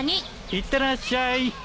いってらっしゃい。